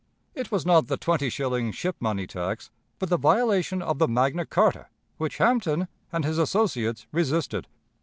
It was not the twenty shilling ship money tax, but the violation of Magna Charta, which Hampden and his associates resisted.